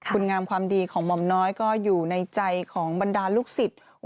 คุณงามความดีของหม่อมน้อยก็อยู่ในใจของบรรดาลูกศิษย์